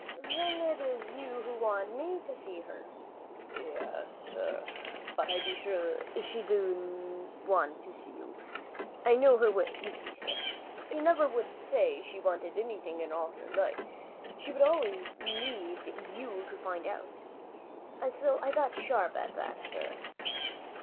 "Then it is you who want me to see her?" "Yes, sir; but I be sure she do want to see you. I know her way, you see, sir. She never would say she wanted anything in her life; she would always leave you to find it out: so I got sharp at that, sir."